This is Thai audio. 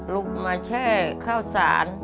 ลุกมาแช่ข้าวสาร